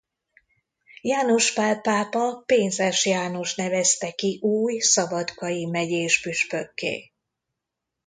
János Pál pápa Pénzes Jánost nevezte ki új szabadkai megyés püspökké.